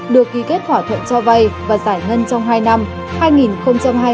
được ký kết hỏa thuận cho vay và giải ngân trong hai năm hai nghìn hai mươi hai hai nghìn hai mươi ba